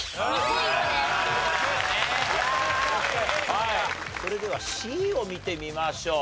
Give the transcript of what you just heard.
はいそれではＣを見てみましょう。